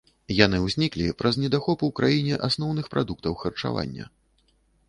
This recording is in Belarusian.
Яны ўзніклі праз недахоп у краіне асноўных прадуктаў харчавання.